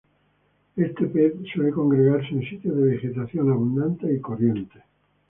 Este pez suele congregarse en sitios de vegetación abundante y corrientes.